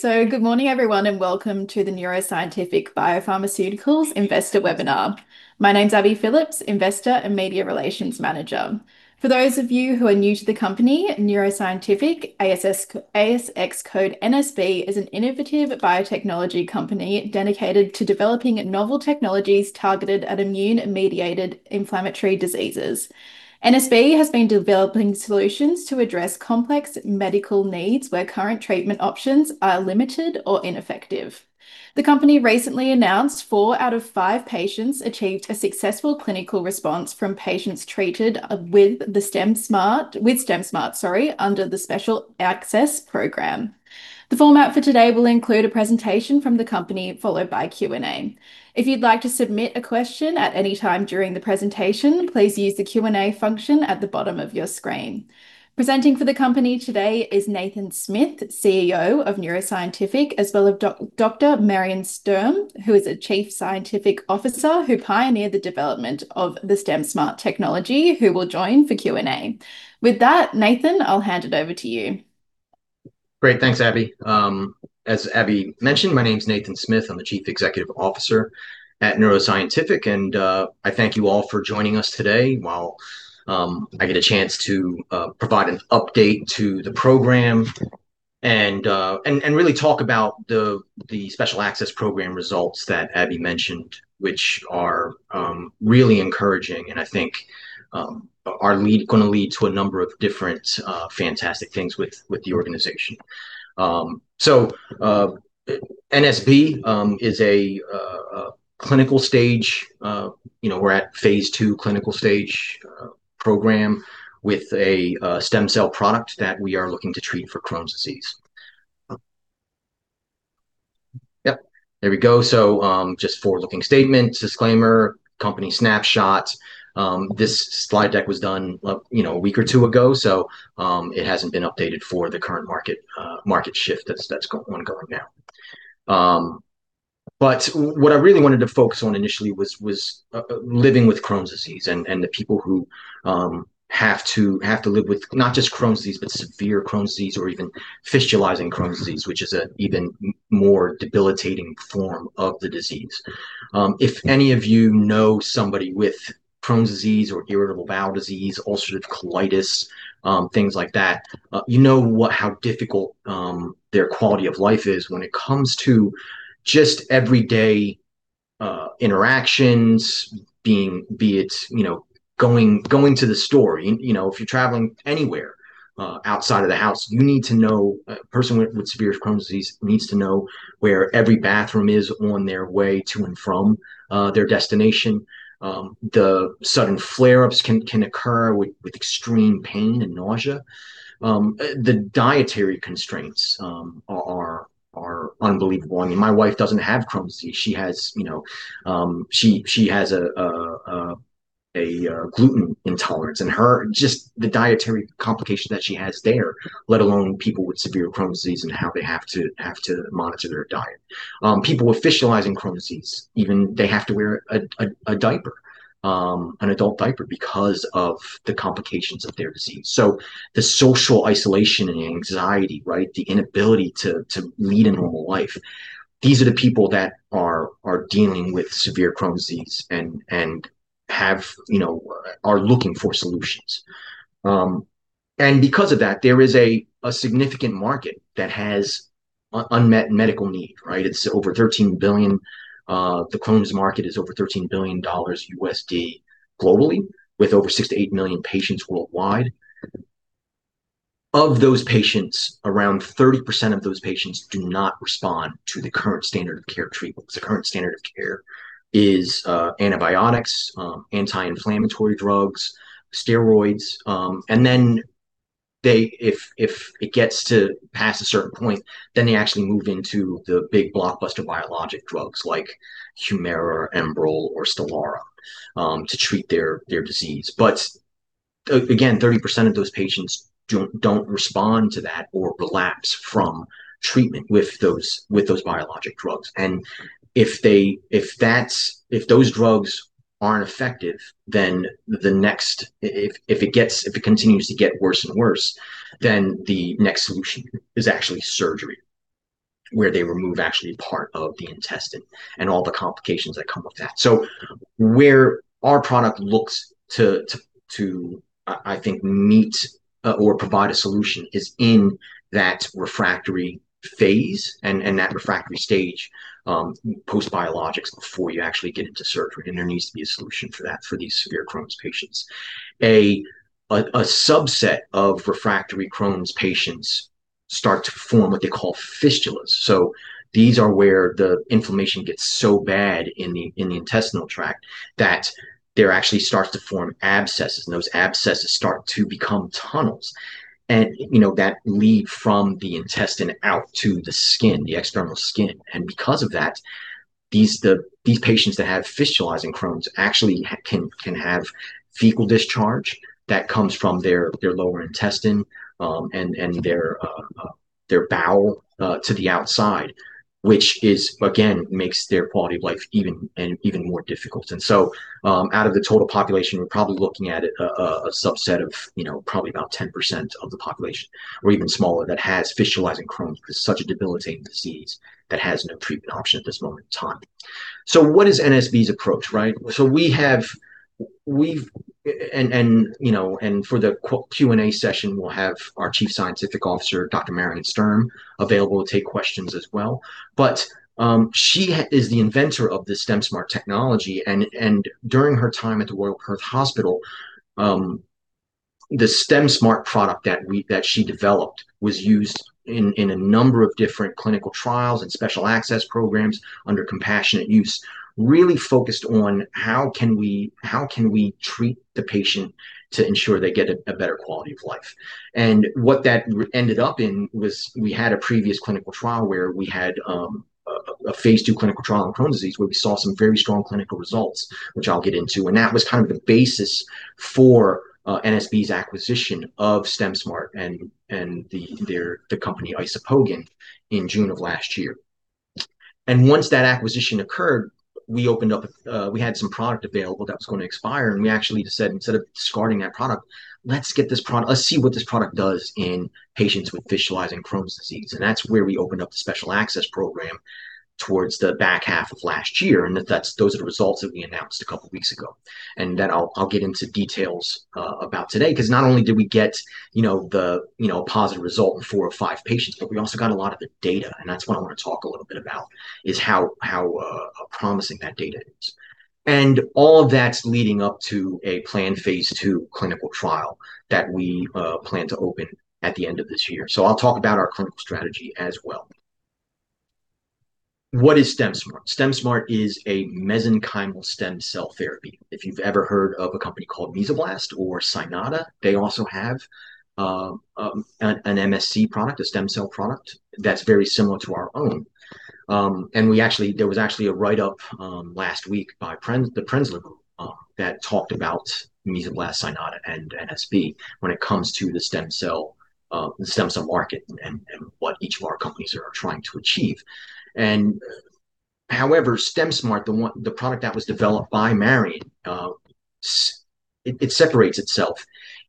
Good morning, everyone, and welcome to the NeuroScientific Biopharmaceuticals investor webinar. My name's Abbey Phillipps, investor and media relations manager. For those of you who are new to the company, NeuroScientific Biopharmaceuticals, ASX code NSB, is an innovative biotechnology company dedicated to developing novel technologies targeted at immune-mediated inflammatory diseases. NSB has been developing solutions to address complex medical needs where current treatment options are limited or ineffective. The company recently announced four out of five patients achieved a successful clinical response from patients treated with the StemSmart, under the Special Access Program. The format for today will include a presentation from the company, followed by Q&A. If you'd like to submit a question at any time during the presentation, please use the Q&A function at the bottom of your screen. Presenting for the company today is Nathan Smith, CEO of NeuroScientific Biopharmaceuticals, as well as Dr. Marian Sturm, who is a Chief Scientific Officer, who pioneered the development of the StemSmart technology, who will join for Q&A. Nathan, I'll hand it over to you. Great. Thanks, Abbey. As Abbey mentioned, my name's Nathan Smith. I'm the Chief Executive Officer at NeuroScientific Biopharmaceuticals, and I thank you all for joining us today while I get a chance to provide an update to the program and really talk about the Special Access Program results that Abbey mentioned, which are really encouraging and I think are going to lead to a number of different, fantastic things with the organization. NSB is a clinical stage. We're at phase II clinical stage program with a stem cell product that we are looking to treat for Crohn's disease. Yep. There we go. Just forward-looking statements, disclaimer, company snapshot. This slide deck was done a week or two ago, so it hasn't been updated for the current market shift that's ongoing now. What I really wanted to focus on initially was living with Crohn's disease and the people who have to live with not just Crohn's disease, but severe Crohn's disease or even fistulizing Crohn's disease, which is an even more debilitating form of the disease. If any of you know somebody with Crohn's disease or irritable bowel disease, ulcerative colitis, things like that, you know how difficult their quality of life is when it comes to just everyday interactions, be it going to the store. If you're traveling anywhere outside of the house, a person with severe Crohn's disease needs to know where every bathroom is on their way to and from their destination. The sudden flare-ups can occur with extreme pain and nausea. The dietary constraints are unbelievable. I mean, my wife doesn't have Crohn's disease. She has a gluten intolerance, just the dietary complications that she has there, let alone people with severe Crohn's disease and how they have to monitor their diet. People with fistulizing Crohn's disease, they have to wear a diaper, an adult diaper because of the complications of their disease. The social isolation and the anxiety, right, the inability to lead a normal life. These are the people that are dealing with severe Crohn's disease and are looking for solutions. Because of that, there is a significant market that has unmet medical need, right? The Crohn's market is over $13 billion USD globally, with over six to eight million patients worldwide. Of those patients, around 30% of those patients do not respond to the current standard of care treatment, because the current standard of care is antibiotics, anti-inflammatory drugs, steroids. If it gets to past a certain point, then they actually move into the big blockbuster biologic drugs like HUMIRA, ENBREL, or STELARA, to treat their disease. Again, 30% of those patients don't respond to that or relapse from treatment with those biologic drugs. If those drugs aren't effective, if it continues to get worse and worse, then the next solution is actually surgery, where they remove actually part of the intestine and all the complications that come with that. Where our product looks to, I think, meet or provide a solution is in that refractory phase and that refractory stage, post biologics before you actually get into surgery, and there needs to be a solution for that for these severe Crohn's patients. A subset of refractory Crohn's patients start to form what they call fistulas. These are where the inflammation gets so bad in the intestinal tract that there actually starts to form abscesses, and those abscesses start to become tunnels that lead from the intestine out to the skin, the external skin. Because of that, these patients that have fistulizing Crohn's actually can have fecal discharge that comes from their lower intestine, and their bowel to the outside. Which, again, makes their quality of life even more difficult. Out of the total population, we're probably looking at a subset of probably about 10% of the population, or even smaller, that has fistulizing Crohn's. Because it's such a debilitating disease that has no treatment option at this moment in time. What is NSB's approach, right? For the Q&A session, we'll have our Chief Scientific Officer, Dr. Marian Sturm, available to take questions as well. She is the inventor of the StemSmart technology. During her time at the Royal Perth Hospital, the StemSmart product that she developed was used in a number of different clinical trials and Special Access Programs under compassionate use, really focused on how can we treat the patient to ensure they get a better quality of life. What that ended up in was we had a previous clinical trial where we had a phase II clinical trial on Crohn's disease, where we saw some very strong clinical results, which I'll get into. That was kind of the basis for NSB's acquisition of StemSmart and the company Isopogen in June of last year. Once that acquisition occurred, we had some product available that was going to expire, and we actually said, "Instead of discarding that product, let's see what this product does in patients with fistulizing Crohn's disease." That's where we opened up the Special Access Program towards the back half of last year. Those are the results that we announced a couple of weeks ago. That I'll get into details about today. Not only did we get a positive result in four or five patients, but we also got a lot of the data, and that's what I want to talk a little bit about, is how promising that data is. All of that's leading up to a planned phase II clinical trial that we plan to open at the end of this year. I'll talk about our clinical strategy as well. What is StemSmart? StemSmart is a mesenchymal stem cell therapy. If you've ever heard of a company called Mesoblast or Cynata, they also have an MSC product, a stem cell product, that's very similar to our own. There was actually a write-up last week by The Prenzler Group that talked about Mesoblast, Cynata, and NSB when it comes to the stem cell market and what each of our companies are trying to achieve. StemSmart, the product that was developed by Marian, it separates itself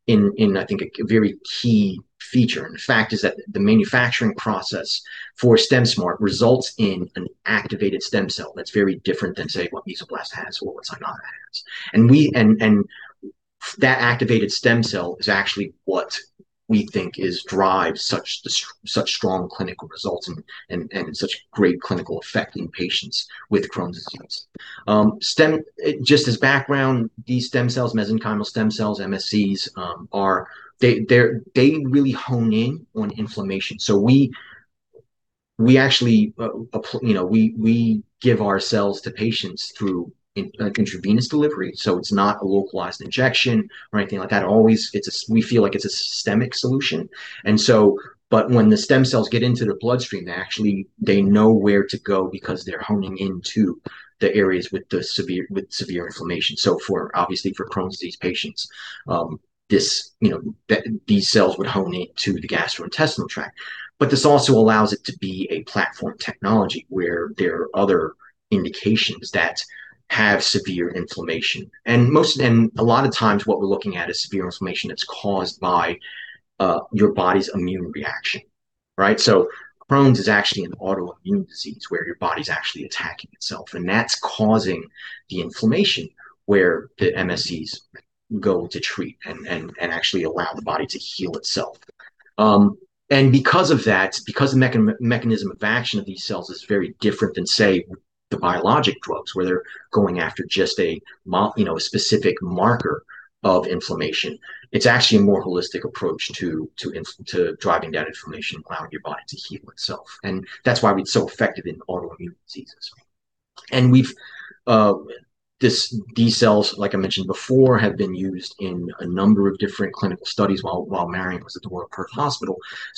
in I think a very key feature. The fact is that the manufacturing process for StemSmart results in an activated stem cell that's very different than, say, what Mesoblast has or what Cynata has. That activated stem cell is actually what we think drives such strong clinical results and such great clinical effect in patients with Crohn's disease. Just as background, these stem cells, mesenchymal stem cells, MSCs, they really hone in on inflammation. We give our cells to patients through intravenous delivery, so it's not a localized injection or anything like that. We feel like it's a systemic solution. When the stem cells get into the bloodstream, they know where to go because they're homing into the areas with severe inflammation. Obviously for Crohn's disease patients, these cells would hone into the gastrointestinal tract. This also allows it to be a platform technology, where there are other indications that have severe inflammation. A lot of times what we're looking at is severe inflammation that's caused by your body's immune reaction, right? Crohn's is actually an autoimmune disease where your body's actually attacking itself, and that's causing the inflammation where the MSCs go to treat and actually allow the body to heal itself. Because of that, because the mechanism of action of these cells is very different than, say, the biologic drugs, where they're going after just a specific marker of inflammation. It's actually a more holistic approach to driving down inflammation and allowing your body to heal itself. That's why it's so effective in autoimmune diseases. These cells, like I mentioned before, have been used in a number of different clinical studies while Marian was at the Royal Perth Hospital.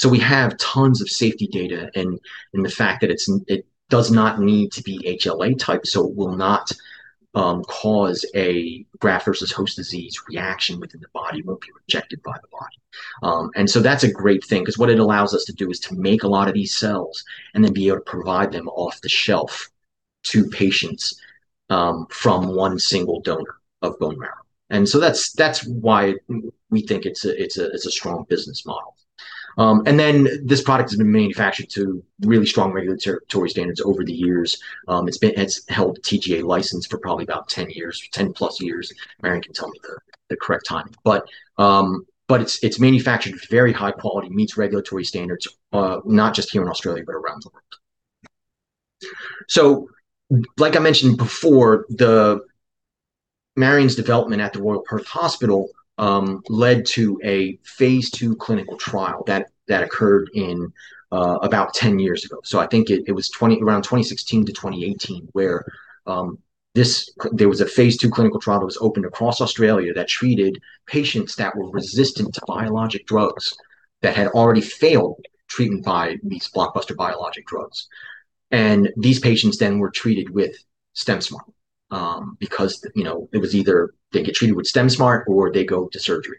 We have tons of safety data. The fact that it does not need to be HLA type, it will not cause a graft-versus-host disease reaction within the body, won't be rejected by the body. That's a great thing, because what it allows us to do is to make a lot of these cells and then be able to provide them off the shelf to patients from one single donor of bone marrow. That's why we think it's a strong business model. This product has been manufactured to really strong regulatory standards over the years. It's held a TGA license for probably about 10 plus years. Marian can tell me the correct time. It's manufactured with very high quality, meets regulatory standards, not just here in Australia, but around the world. Like I mentioned before, Marian's development at the Royal Perth Hospital led to a phase II clinical trial that occurred about 10 years ago. I think it was around 2016 to 2018 where there was a phase II clinical trial that was opened across Australia that treated patients that were resistant to biologic drugs, that had already failed treatment by these blockbuster biologic drugs. These patients then were treated with StemSmart because it was either they get treated with StemSmart or they go to surgery.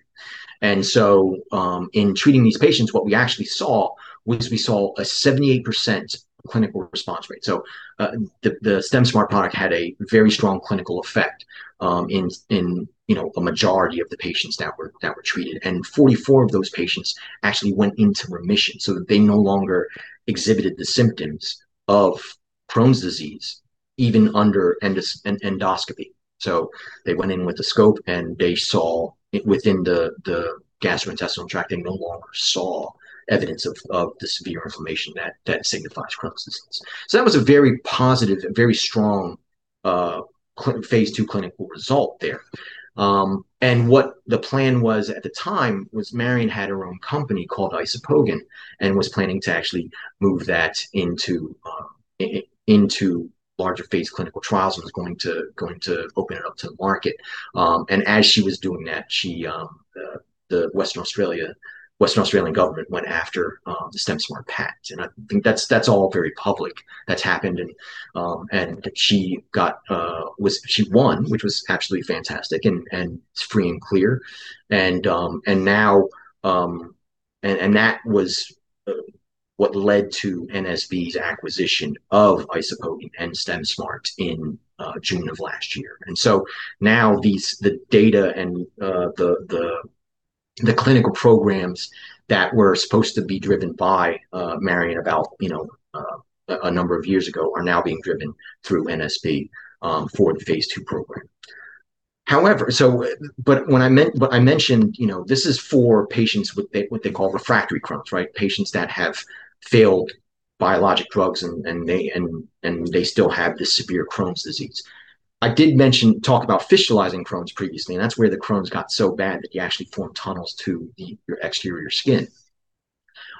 In treating these patients, what we actually saw was we saw a 78% clinical response rate. The StemSmart product had a very strong clinical effect in a majority of the patients that were treated. 44 of those patients actually went into remission, so that they no longer exhibited the symptoms of Crohn's disease, even under endoscopy. They went in with a scope. Within the gastrointestinal tract, they no longer saw evidence of the severe inflammation that signifies Crohn's disease. That was a very positive and very strong phase II clinical result there. What the plan was at the time was Marian had her own company called Isopogen, and was planning to actually move that into larger phase clinical trials and was going to open it up to the market. As she was doing that, the Government of Western Australia went after the StemSmart patent. I think that's all very public. That's happened, and she won, which was absolutely fantastic, and it's free and clear. That was what led to NSB's acquisition of Isopogen and StemSmart in June of last year. Now, the data and the clinical programs that were supposed to be driven by Marian about a number of years ago are now being driven through NSB for the phase II program. I mentioned this is for patients with what they call refractory Crohn's, right? Patients that have failed biologic drugs, and they still have this severe Crohn's disease. I did talk about fistulizing Crohn's previously. That's where the Crohn's got so bad that you actually form tunnels to your exterior skin.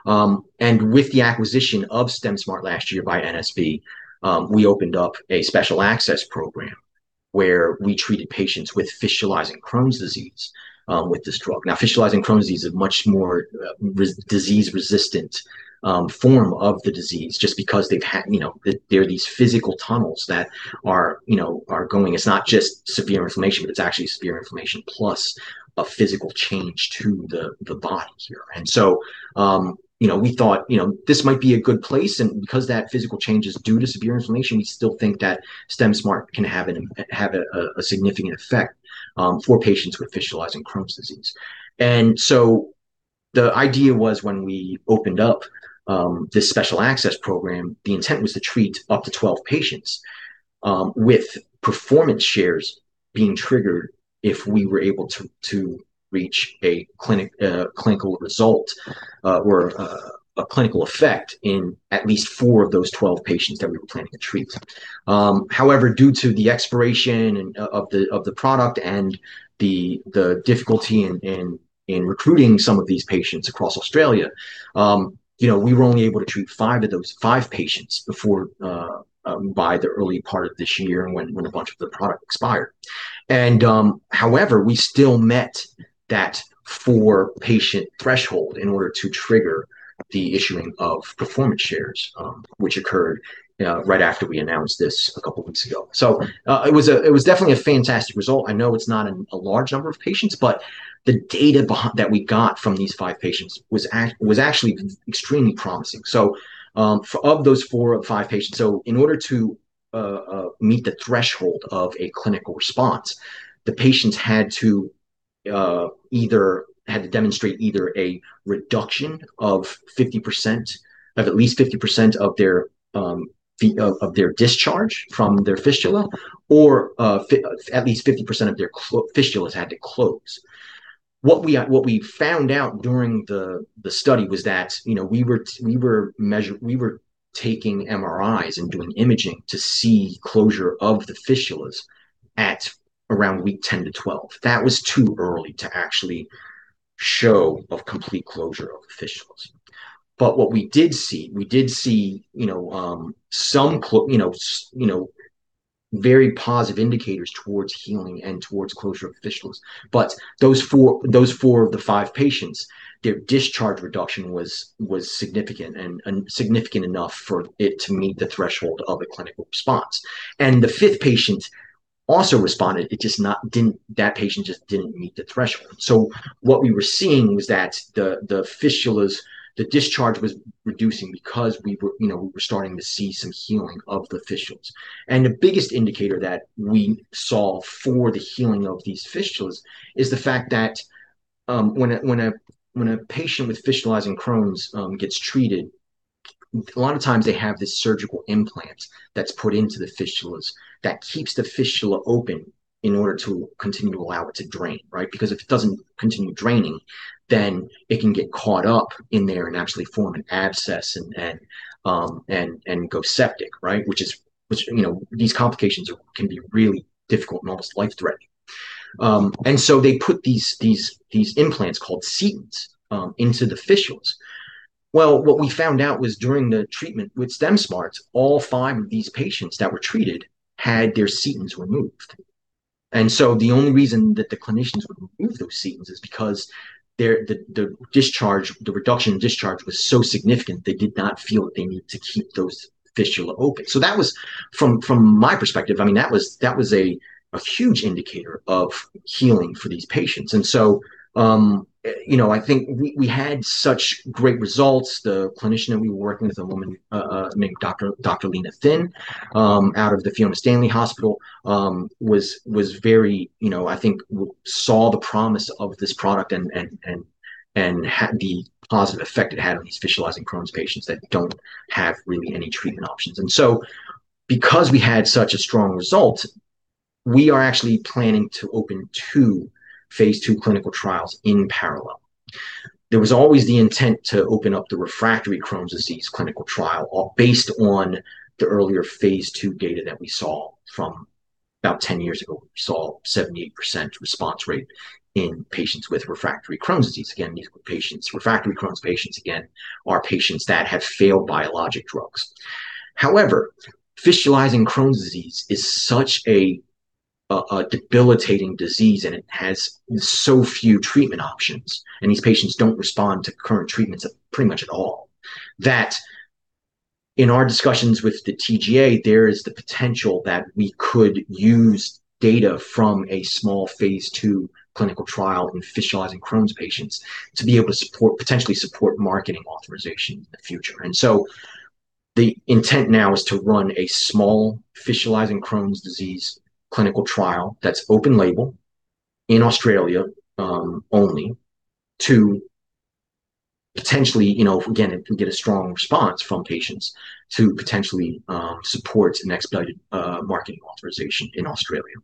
With the acquisition of StemSmart last year by NSB, we opened up a Special Access Program where we treated patients with fistulizing Crohn's disease with this drug. Fistulizing Crohn's disease is a much more disease-resistant form of the disease, just because there are these physical tunnels that are going. It's not just severe inflammation, but it's actually severe inflammation plus a physical change to the body here. We thought this might be a good place, and because that physical change is due to severe inflammation, we still think that StemSmart can have a significant effect for patients with fistulizing Crohn's disease. The idea was when we opened up this Special Access Program, the intent was to treat up to 12 patients, with performance shares being triggered if we were able to reach a clinical result, or a clinical effect in at least four of those 12 patients that we were planning to treat. However, due to the expiration of the product and the difficulty in recruiting some of these patients across Australia, we were only able to treat five patients by the early part of this year, and when a bunch of the product expired. However, we still met that four-patient threshold in order to trigger the issuing of performance shares, which occurred right after we announced this a couple of weeks ago. It was definitely a fantastic result. I know it's not a large number of patients, but the data that we got from these five patients was actually extremely promising. Of those four of five patients, in order to meet the threshold of a clinical response, the patients had to demonstrate either a reduction of at least 50% of their discharge from their fistula, or at least 50% of their fistulas had to close. What we found out during the study was that we were taking MRIs and doing imaging to see closure of the fistulas at around week 10 to 12. That was too early to actually show a complete closure of the fistulas. What we did see, we did see very positive indicators towards healing and towards closure of fistulas. Those four of the five patients, their discharge reduction was significant, and significant enough for it to meet the threshold of a clinical response. The fifth patient also responded, that patient just didn't meet the threshold. What we were seeing was that the discharge was reducing because we were starting to see some healing of the fistulas. The biggest indicator that we saw for the healing of these fistulas is the fact that when a patient with fistulizing Crohn's gets treated, a lot of times they have this surgical implant that's put into the fistulas that keeps the fistula open in order to continue to allow it to drain. Right? Because if it doesn't continue draining, then it can get caught up in there and actually form an abscess and go septic. Right? Which these complications can be really difficult and almost life-threatening. They put these implants called Setons into the fistulas. Well, what we found out was during the treatment with StemSmart, all five of these patients that were treated had their Setons removed. The only reason that the clinicians would remove those Setons is because the reduction in discharge was so significant, they did not feel that they needed to keep those fistula open. That was, from my perspective, a huge indicator of healing for these patients. I think we had such great results. The clinician that we were working with, a woman named Dr. Lena Thin, out of the Fiona Stanley Hospital, I think saw the promise of this product and the positive effect it had on these fistulizing Crohn's patients that don't have really any treatment options. Because we had such a strong result, we are actually planning to open two phase II clinical trials in parallel. There was always the intent to open up the refractory Crohn's disease clinical trial, based on the earlier phase II data that we saw from about 10 years ago. We saw a 78% response rate in patients with refractory Crohn's disease. Again, these were patients, refractory Crohn's patients are patients that have failed biologic drugs. However, fistulizing Crohn's disease is such a debilitating disease, and it has so few treatment options, and these patients don't respond to current treatments pretty much at all. That in our discussions with the TGA, there is the potential that we could use data from a small phase II clinical trial in fistulizing Crohn's patients to be able to potentially support marketing authorization in the future. The intent now is to run a small fistulizing Crohn's disease clinical trial that's open-label in Australia only to potentially, again, if we get a strong response from patients to potentially support an expedited marketing authorization in Australia,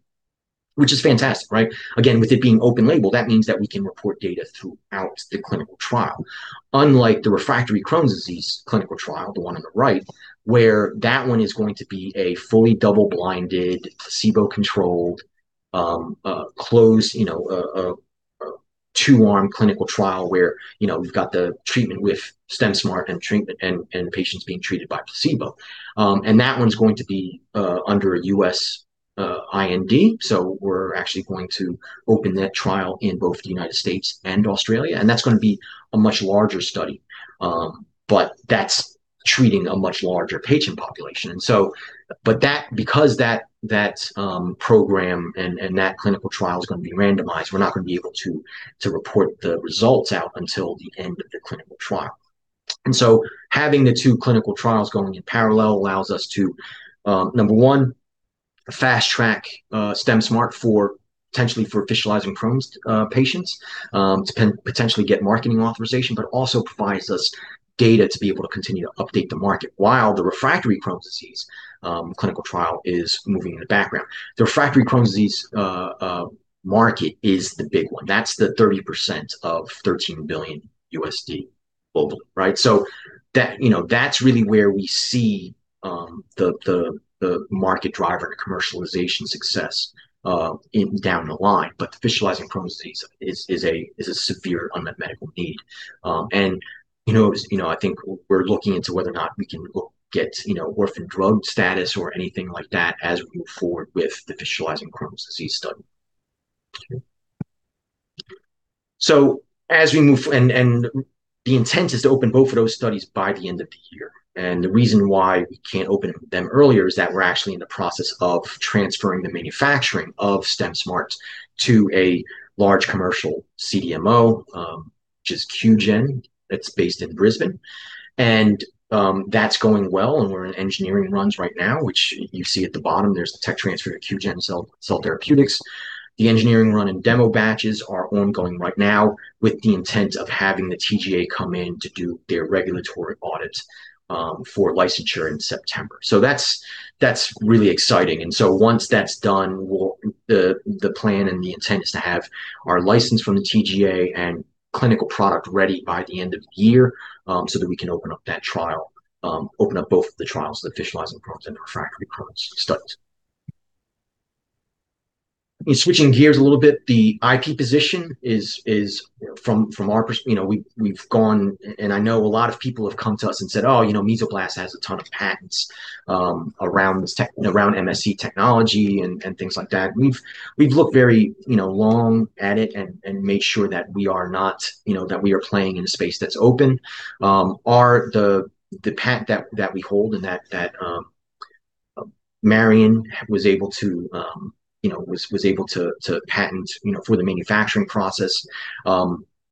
which is fantastic, right? Again, with it being open-label, that means that we can report data throughout the clinical trial. Unlike the refractory Crohn's disease clinical trial, the one on the right, where that one is going to be a fully double-blinded, placebo-controlled, closed, two-arm clinical trial where we've got the treatment with StemSmart and patients being treated by placebo. That one's going to be under a U.S. IND, so we're actually going to open that trial in both the United States and Australia, and that's going to be a much larger study. That's treating a much larger patient population. Because that program and that clinical trial is going to be randomized, we're not going to be able to report the results out until the end of the clinical trial. Having the two clinical trials going in parallel allows us to, number 1, fast-track StemSmart potentially for fistulizing Crohn's patients, to potentially get marketing authorization, but also provides us data to be able to continue to update the market while the refractory Crohn's disease clinical trial is moving in the background. The refractory Crohn's disease market is the big one. That's the 30% of $13 billion USD globally, right? That's really where we see the market driver to commercialization success down the line. Fistulizing Crohn's disease is a severe unmet medical need. I think we're looking into whether or not we can get orphan drug status or anything like that as we move forward with the fistulizing Crohn's disease study. Okay. The intent is to open both of those studies by the end of the year. The reason why we can't open them earlier is that we're actually in the process of transferring the manufacturing of StemSmart to a large commercial CDMO, which is QGen. It's based in Brisbane. That's going well, and we're in engineering runs right now, which you see at the bottom. There's the tech transfer to QGen Cell Therapeutics. The engineering run and demo batches are ongoing right now with the intent of having the TGA come in to do their regulatory audit for licensure in September. That's really exciting. Once that's done, the plan and the intent is to have our license from the TGA and clinical product ready by the end of the year, so that we can open up both of the trials, the fistulizing Crohn's and refractory Crohn's studies. In switching gears a little bit, the IP position is from our. We've gone, I know a lot of people have come to us and said, "Oh, Mesoblast has a ton of patents around MSC technology and things like that." We've looked very long at it and made sure that we are playing in a space that's open. The patent that we hold and that Marian was able to patent for the manufacturing process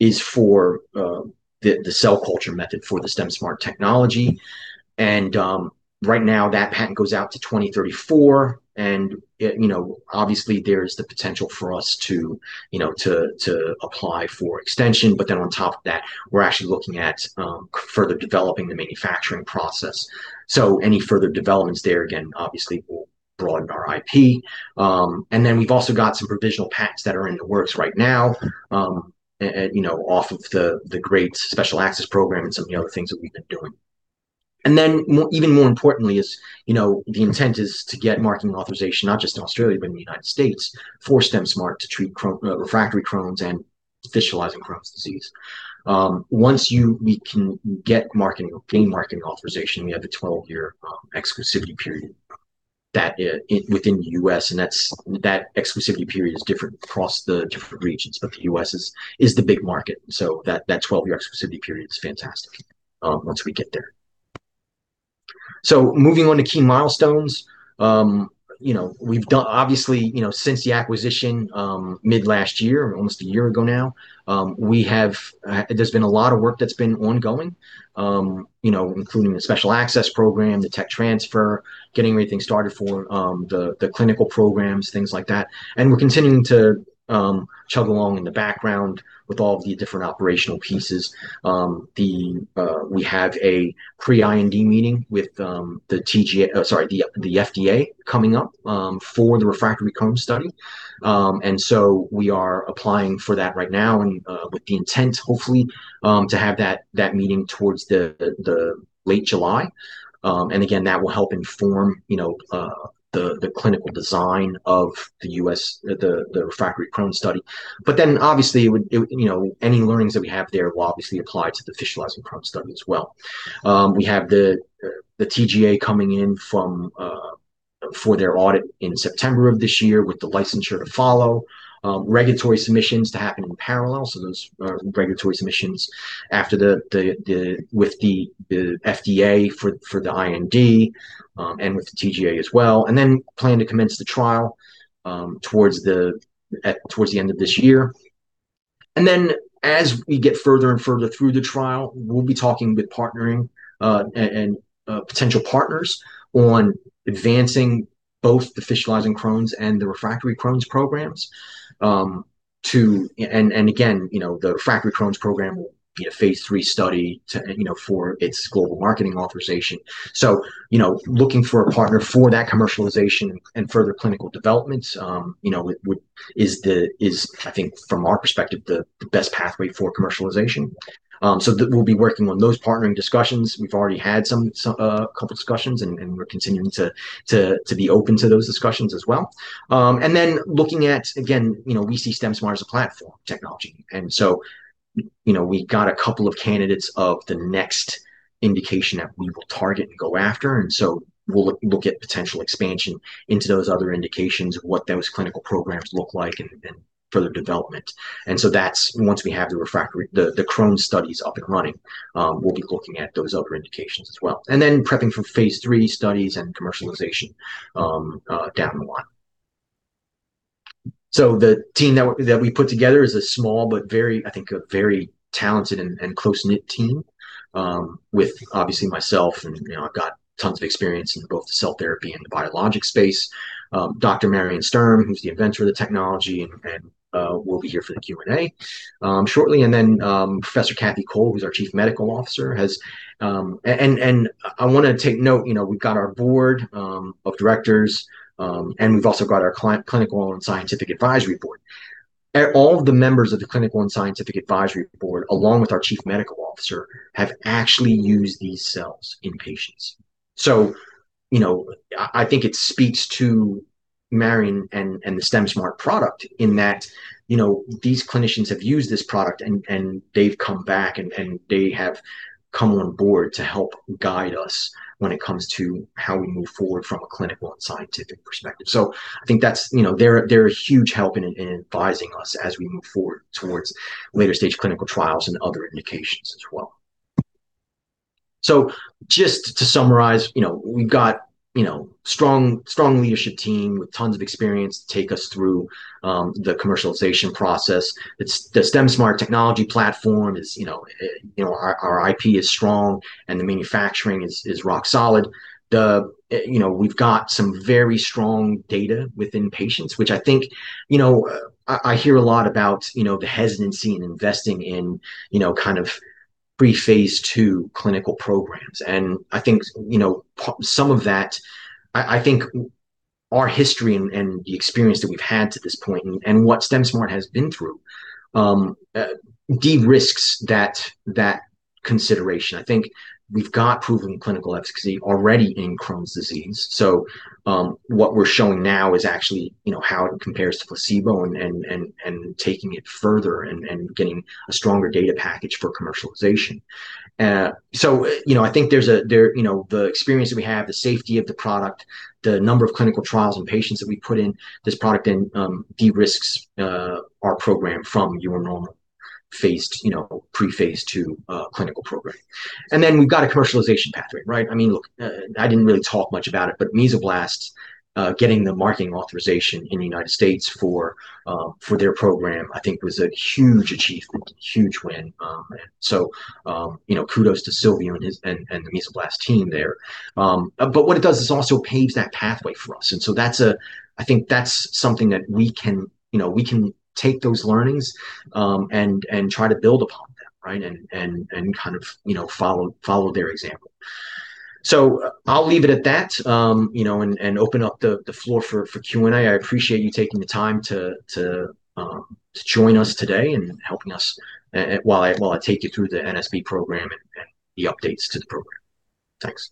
is for the cell culture method for the StemSmart technology. Right now, that patent goes out to 2034, obviously, there is the potential for us to apply for extension. On top of that, we're actually looking at further developing the manufacturing process. Any further developments there, again, obviously will broaden our IP. We've also got some provisional patents that are in the works right now off of the great Special Access Program and some of the other things that we've been doing. Even more importantly is the intent is to get marketing authorization, not just in Australia, but in the U.S. for StemSmart to treat refractory Crohn's and Fistulizing Crohn's disease. Once we can gain marketing authorization, we have a 12-year exclusivity period within the U.S. That exclusivity period is different across the different regions, but the U.S. is the big market. That 12-year exclusivity period is fantastic once we get there. Moving on to key milestones. Obviously, since the acquisition mid last year, almost a year ago now, there's been a lot of work that's been ongoing, including the Special Access Program, the tech transfer, getting everything started for the clinical programs, things like that. We're continuing to chug along in the background with all of the different operational pieces. We have a pre-IND meeting with the FDA coming up for the refractory Crohn's study. We are applying for that right now and with the intent, hopefully, to have that meeting towards the late July. Again, that will help inform the clinical design of the U.S., the refractory Crohn's study. Obviously, any learnings that we have there will obviously apply to the fistulizing Crohn's study as well. We have the TGA coming in for their audit in September of this year with the licensure to follow. Regulatory submissions to happen in parallel. Those are regulatory submissions with the FDA for the IND, and with the TGA as well. Plan to commence the trial towards the end of this year. As we get further and further through the trial, we'll be talking with partnering and potential partners on advancing both the fistulizing Crohn's and the refractory Crohn's programs. Again, the refractory Crohn's program will be a phase III study for its global marketing authorization. Looking for a partner for that commercialization and further clinical development is I think from our perspective, the best pathway for commercialization. We'll be working on those partnering discussions. We've already had a couple discussions, and we're continuing to be open to those discussions as well. Looking at, again, we see StemSmart as a platform technology, we got a couple of candidates of the next indication that we will target and go after. We'll look at potential expansion into those other indications, what those clinical programs look like and further development. That's once we have the Crohn's studies up and running, we'll be looking at those other indications as well. Prepping for phase III studies and commercialization down the line. The team that we put together is a small, but I think a very talented and close-knit team, with obviously myself and I've got tons of experience in both the cell therapy and the biologic space. Dr. Marian Sturm, who's the inventor of the technology, and will be here for the Q&A shortly. Professor Kathy Cole, who's our Chief Medical Officer. I want to take note, we've got our board of directors, and we've also got our clinical and scientific advisory board. All of the members of the clinical and scientific advisory board, along with our Chief Medical Officer, have actually used these cells in patients. I think it speaks to Marian and the StemSmart product in that these clinicians have used this product and they've come back and they have come on board to help guide us when it comes to how we move forward from a clinical and scientific perspective. I think they're a huge help in advising us as we move forward towards later stage clinical trials and other indications as well. Just to summarize, we've got strong leadership team with tons of experience to take us through the commercialization process. The StemSmart technology platform is our IP is strong and the manufacturing is rock solid. We've got some very strong data within patients, which I think, I hear a lot about the hesitancy in investing in kind of pre-phase II clinical programs. I think some of that, I think our history and the experience that we've had to this point and what StemSmart has been through, de-risks that consideration. I think we've got proven clinical efficacy already in Crohn's disease. What we're showing now is actually how it compares to placebo and taking it further and getting a stronger data package for commercialization. I think the experience that we have, the safety of the product, the number of clinical trials and patients that we put in this product in, de-risks our program from your normal pre-phase II clinical program. We've got a commercialization pathway, right? I didn't really talk much about it, Mesoblast getting the marketing authorization in the United States for their program, I think was a huge achievement, huge win. Kudos to Silviu and the Mesoblast team there. What it does is also paves that pathway for us. I think that's something that we can take those learnings and try to build upon them, right? Kind of follow their example. I'll leave it at that and open up the floor for Q&A. I appreciate you taking the time to join us today and helping us while I take you through the NSB program and the updates to the program. Thanks.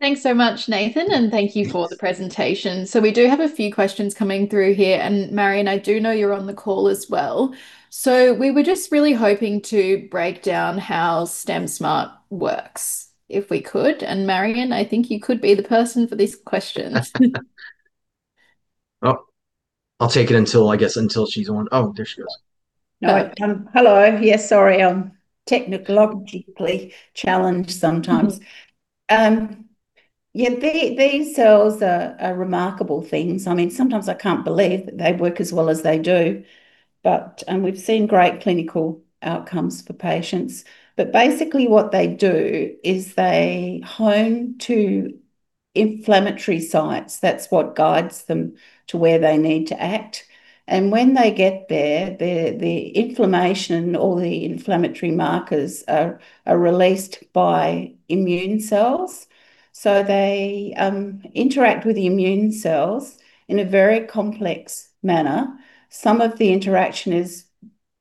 Thanks so much, Nathan, and thank you for the presentation. We do have a few questions coming through here. Marian, I do know you're on the call as well. We were just really hoping to break down how StemSmart works, if we could. Marian, I think you could be the person for this question. I'll take it, I guess, until she's on. Oh, there she goes. No. Hello. Yeah, sorry. I'm technologically challenged sometimes. Yeah, these cells are remarkable things. Sometimes I can't believe that they work as well as they do, but we've seen great clinical outcomes for patients. Basically what they do is they home to inflammatory sites. That's what guides them to where they need to act. When they get there, the inflammation or the inflammatory markers are released by immune cells. They interact with the immune cells in a very complex manner. Some of the interaction is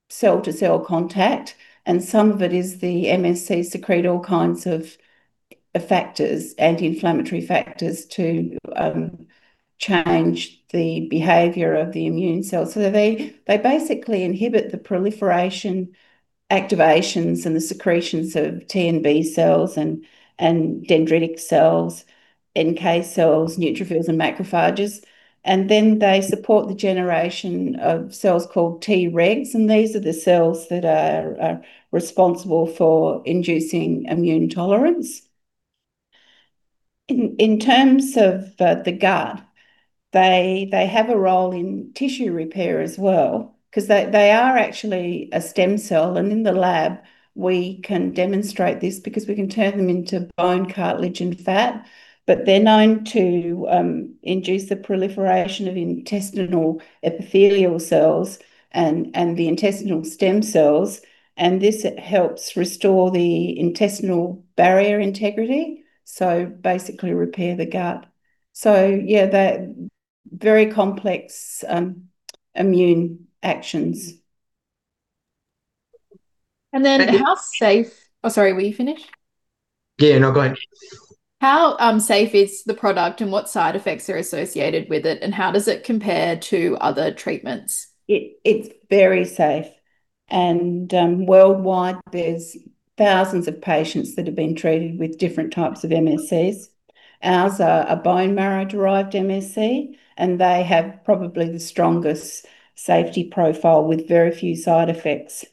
cell-to-cell contact, and some of it is the MSCs secrete all kinds of effectors, anti-inflammatory factors, to change the behavior of the immune cells. They basically inhibit the proliferation, activations, and the secretions of T and B cells and dendritic cells, NK cells, neutrophils, and macrophages. Then they support the generation of cells called Tregs, and these are the cells that are responsible for inducing immune tolerance. In terms of the gut, they have a role in tissue repair as well, because they are actually a stem cell. In the lab, we can demonstrate this because we can turn them into bone, cartilage, and fat. They're known to induce the proliferation of intestinal epithelial cells and the intestinal stem cells, and this helps restore the intestinal barrier integrity. Basically repair the gut. Yeah, they're very complex immune actions. Oh, sorry. Were you finished? Yeah, no. Go ahead. How safe is the product, what side effects are associated with it, and how does it compare to other treatments? It's very safe. Worldwide, there's thousands of patients that have been treated with different types of MSCs. Ours are a bone marrow derived MSC, and they have probably the strongest safety profile with very few side effects.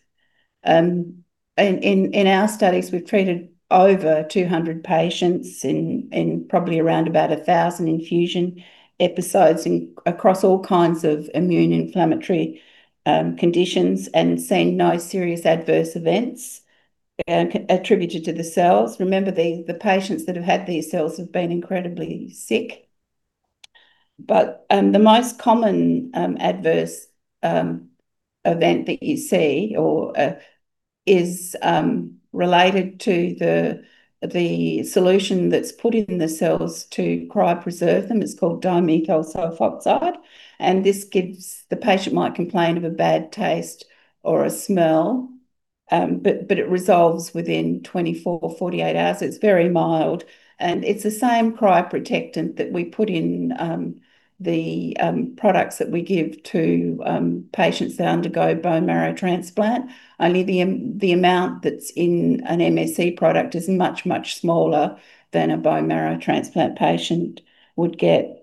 In our studies, we've treated over 200 patients in probably around about 1,000 infusion episodes across all kinds of immune inflammatory conditions and seen no serious adverse events attributed to the cells. Remember, the patients that have had these cells have been incredibly sick. The most common adverse event that you see, or is related to the solution that's put in the cells to cryopreserve them, it's called dimethyl sulfoxide. The patient might complain of a bad taste or a smell. It resolves within 24 or 48 hours. It's very mild. It's the same cryoprotectant that we put in the products that we give to patients that undergo bone marrow transplant. Only the amount that's in an MSC product is much, much smaller than a bone marrow transplant patient would get.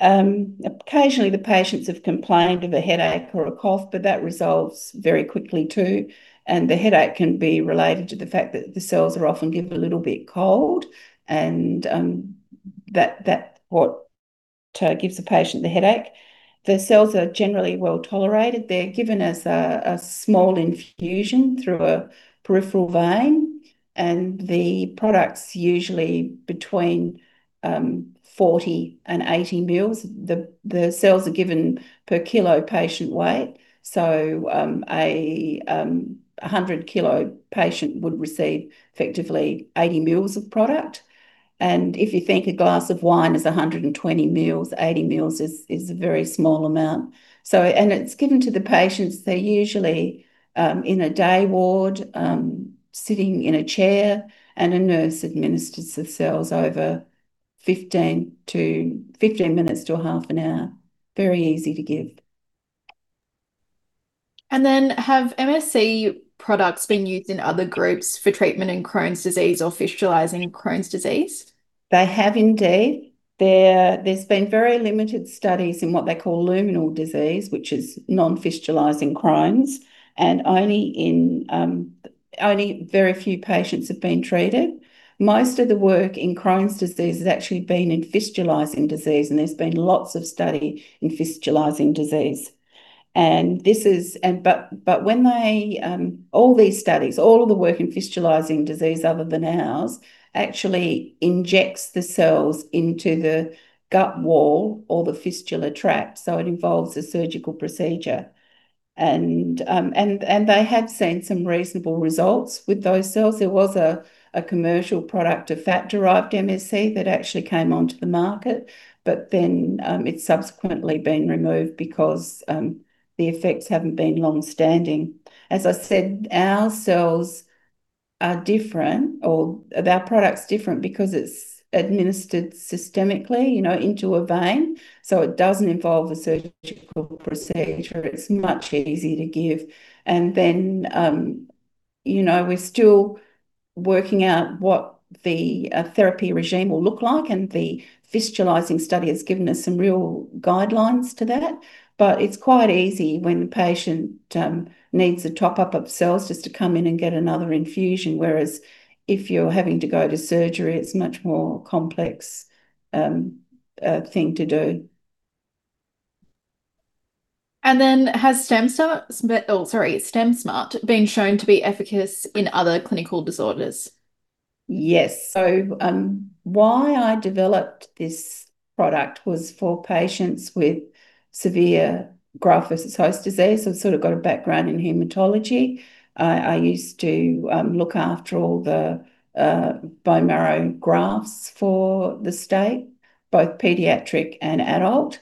Occasionally, the patients have complained of a headache or a cough, that resolves very quickly, too. The headache can be related to the fact that the cells are often given a little bit cold, and that's what gives the patient the headache. The cells are generally well-tolerated. They're given as a small infusion through a peripheral vein, and the product's usually between 40 and 80 mils. The cells are given per kilo patient weight. A 100-kilo patient would receive effectively 80 mils of product. If you think a glass of wine is 120 mils, 80 mils is a very small amount. It's given to the patients, they're usually in a day ward, sitting in a chair, and a nurse administers the cells over 15 minutes to a half an hour. Very easy to give. Have MSC products been used in other groups for treatment in Crohn's disease or fistulizing Crohn's disease? They have indeed. There's been very limited studies in what they call luminal disease, which is non-fistulizing Crohn's, and only very few patients have been treated. Most of the work in Crohn's disease has actually been in fistulizing disease, and there's been lots of study in fistulizing disease. All these studies, all of the work in fistulizing disease other than ours, actually injects the cells into the gut wall or the fistula tract. It involves a surgical procedure. They have seen some reasonable results with those cells. There was a commercial product, a fat-derived MSC, that actually came onto the market. It's subsequently been removed because the effects haven't been longstanding. As I said, our cells are different or our product's different because it's administered systemically, into a vein, so it doesn't involve a surgical procedure. It's much easy to give. We're still working out what the therapy regime will look like, and the fistulizing study has given us some real guidelines to that, but it's quite easy when the patient needs a top-up of cells just to come in and get another infusion. Whereas if you're having to go to surgery, it's much more complex thing to do. Has StemSmart been shown to be efficacious in other clinical disorders? Yes. Why I developed this product was for patients with severe graft-versus-host disease. I've sort of got a background in hematology. I used to look after all the bone marrow grafts for the state, both pediatric and adult.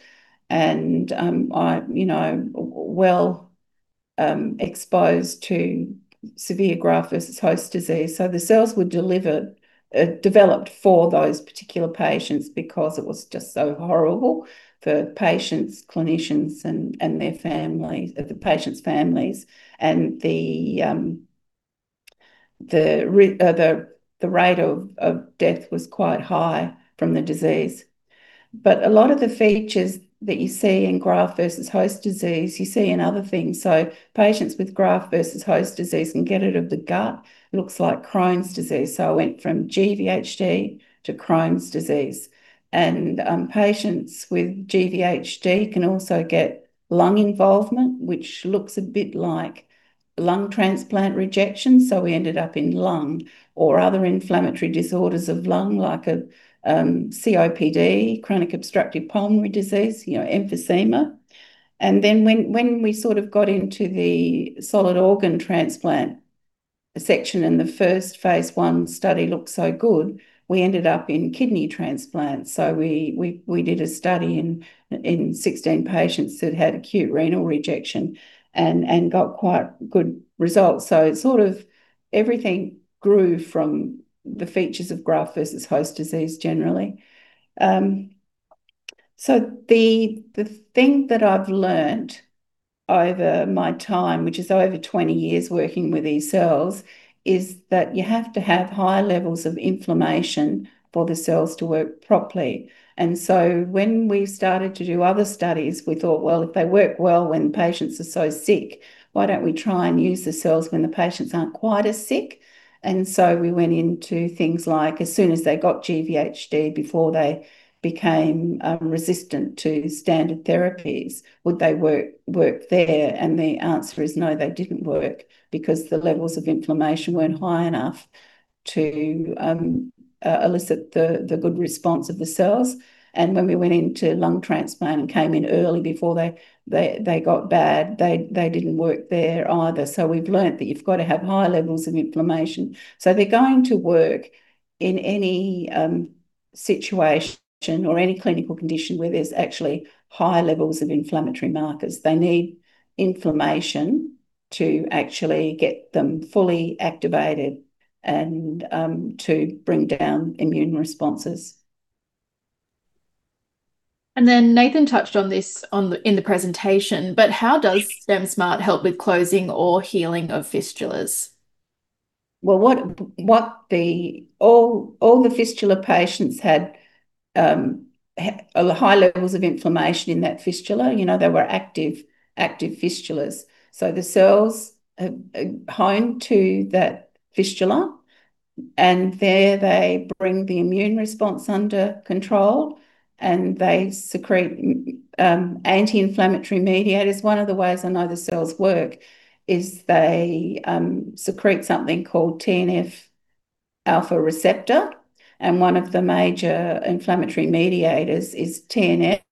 I'm well exposed to severe graft-versus-host disease. The cells were developed for those particular patients because it was just so horrible for patients, clinicians, and their family, the patients' families. The rate of death was quite high from the disease. A lot of the features that you see in graft-versus-host disease, you see in other things. Patients with graft-versus-host disease can get it of the gut. It looks like Crohn's disease. I went from GvHD to Crohn's disease, and patients with GvHD can also get lung involvement, which looks a bit like lung transplant rejection. We ended up in lung or other inflammatory disorders of lung like a COPD, chronic obstructive pulmonary disease, emphysema. When we sort of got into the solid organ transplant section and the first phase I study looked so good, we ended up in kidney transplants. We did a study in 16 patients that had acute renal rejection and got quite good results. It sort of everything grew from the features of graft-versus-host disease generally. The thing that I've learned over my time, which is over 20 years working with these cells, is that you have to have high levels of inflammation for the cells to work properly. When we started to do other studies, we thought, well, if they work well when patients are so sick, why don't we try and use the cells when the patients aren't quite as sick? We went into things like as soon as they got GvHD, before they became resistant to standard therapies, would they work there? The answer is no, they didn't work because the levels of inflammation weren't high enough to elicit the good response of the cells. When we went into lung transplant and came in early before they got bad, they didn't work there either. We've learnt that you've got to have high levels of inflammation. They're going to work in any situation or any clinical condition where there's actually high levels of inflammatory markers. They need inflammation to actually get them fully activated and to bring down immune responses. Nathan touched on this in the presentation, but how does StemSmart help with closing or healing of fistulas? Well, all the fistula patients had high levels of inflammation in that fistula. They were active fistulas. The cells home to that fistula, and there they bring the immune response under control, and they secrete anti-inflammatory mediators. One of the ways I know the cells work is they secrete something called TNF-alpha receptor, and one of the major inflammatory mediators is TNF.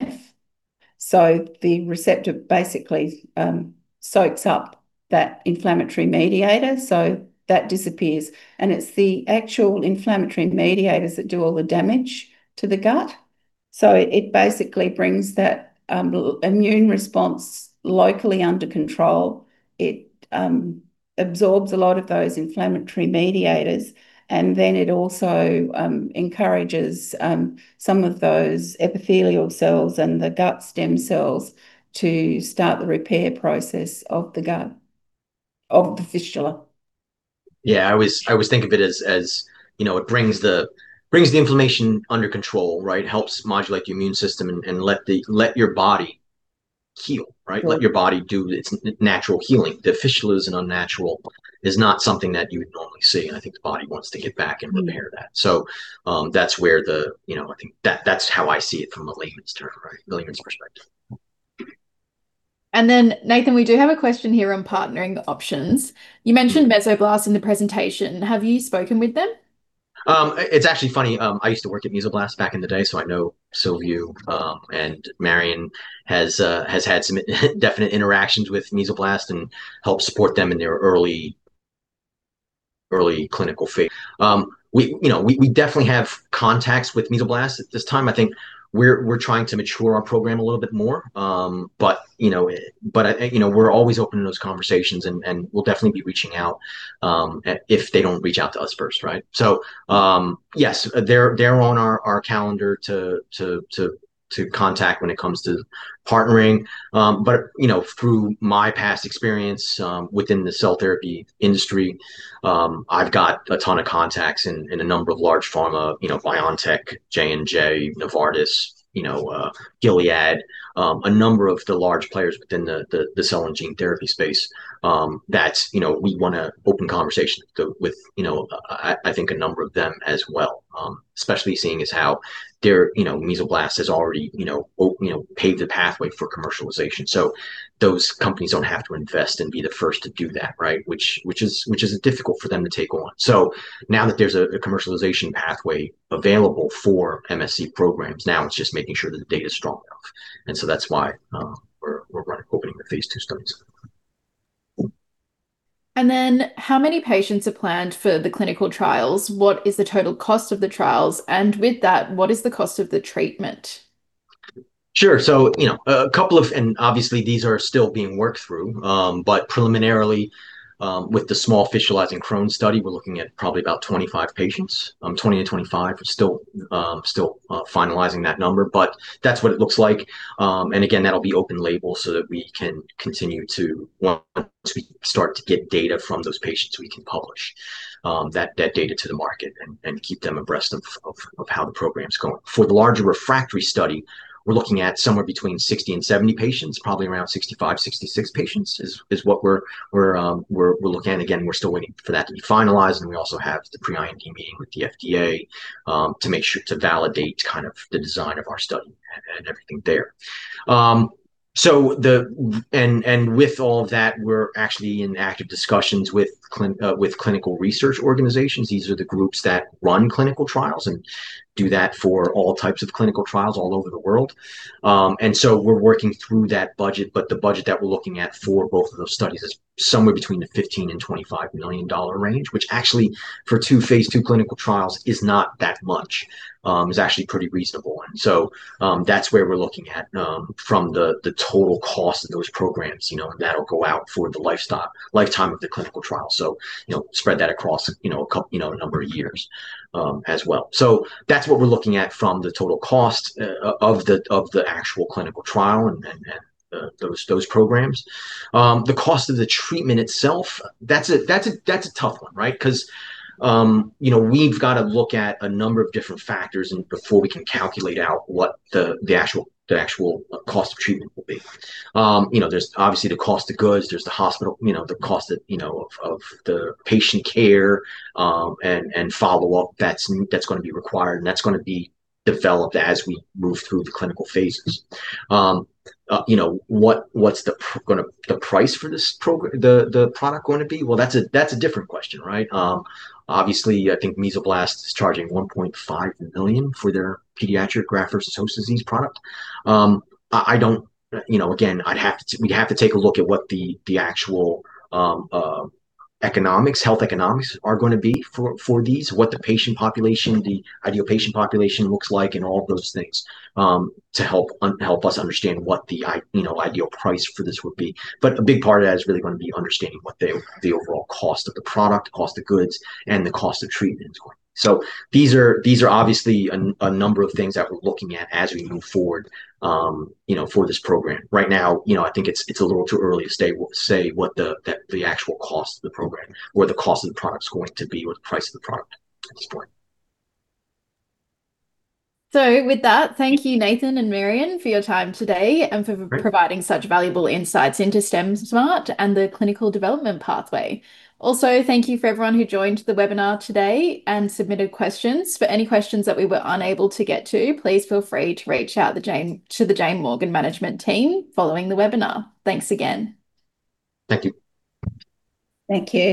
The receptor basically soaks up that inflammatory mediator, so that disappears. It is the actual inflammatory mediators that do all the damage to the gut. It basically brings that immune response locally under control. It absorbs a lot of those inflammatory mediators, and then it also encourages some of those epithelial cells and the gut stem cells to start the repair process of the gut, of the fistula. Yeah, I always think of it as it brings the inflammation under control, right? Helps modulate your immune system and let your body heal, right? Right. Let your body do its natural healing. The fistula is an unnatural, is not something that you would normally see, and I think the body wants to get back and repair that. That is how I see it from a layman's term, right? Layman's perspective. Nathan, we do have a question here on partnering options. You mentioned Mesoblast in the presentation. Have you spoken with them? It's actually funny. I used to work at Mesoblast back in the day, so I know Silviu, Marian has had some definite interactions with Mesoblast and helped support them in their early clinical phase. We definitely have contacts with Mesoblast. At this time, I think we're trying to mature our program a little bit more. We're always open to those conversations, and we'll definitely be reaching out if they don't reach out to us first, right? Yes, they're on our calendar to contact when it comes to partnering. Through my past experience within the cell therapy industry, I've got a ton of contacts in a number of large pharma, BioNTech, J&J, Novartis, Gilead, a number of the large players within the cell and gene therapy space. That we want to open conversation with I think a number of them as well, especially seeing as how Mesoblast has already paved the pathway for commercialization. Those companies don't have to invest and be the first to do that, right? Which is difficult for them to take on. Now that there's a commercialization pathway available for MSC programs, now it's just making sure that the data is strong enough. That's why we're opening the phase II studies. How many patients are planned for the clinical trials? What is the total cost of the trials? With that, what is the cost of the treatment? Sure. Obviously these are still being worked through, but preliminarily, with the small fistulizing Crohn's study, we're looking at probably about 25 patients, 20-25. We're still finalizing that number, but that's what it looks like. Again, that'll be open-label so that we can continue to, once we start to get data from those patients, we can publish that data to the market and keep them abreast of how the program's going. For the larger refractory study, we're looking at somewhere between 60-70 patients, probably around 65-66 patients is what we're looking at. Again, we're still waiting for that to be finalized, and we also have the pre-IND meeting with the FDA to validate the design of our study and everything there. With all of that, we're actually in active discussions with clinical research organizations. These are the groups that run clinical trials and do that for all types of clinical trials all over the world. We're working through that budget, but the budget that we're looking at for both of those studies is somewhere between the 15 million-25 million dollar range, which actually for two phase II clinical trials is not that much. It's actually pretty reasonable. That's where we're looking at from the total cost of those programs, and that'll go out for the lifetime of the clinical trial. Spread that across a number of years as well. That's what we're looking at from the total cost of the actual clinical trial and those programs. The cost of the treatment itself, that's a tough one, right? Because we've got to look at a number of different factors before we can calculate out what the actual cost of treatment will be. There's obviously the cost of goods, there's the hospital, the cost of the patient care, and follow-up that's going to be required, and that's going to be developed as we move through the clinical phases. What's the price for the product going to be? Well, that's a different question, right? Obviously, I think Mesoblast is charging 1.5 million for their pediatric graft-versus-host disease product. Again, we'd have to take a look at what the actual health economics are going to be for these, what the ideal patient population looks like, and all of those things, to help us understand what the ideal price for this would be. A big part of that is really going to be understanding what the overall cost of the product, cost of goods, and the cost of treatment is going to be. These are obviously a number of things that we're looking at as we move forward for this program. Right now, I think it's a little too early to say what the actual cost of the program or the cost of the product's going to be, or the price of the product at this point. With that, thank you, Nathan and Marian, for your time today and for providing such valuable insights into StemSmart and the clinical development pathway. Also, thank you for everyone who joined the webinar today and submitted questions. For any questions that we were unable to get to, please feel free to reach out to the Jane Morgan Management team following the webinar. Thanks again. Thank you. Thank you.